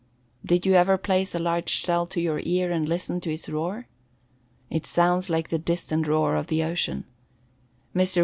Did you ever place a large shell to your ear and listen to its roar? It sounds like the distant roar of the sea. Mr.